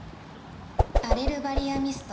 アレルバリアミスト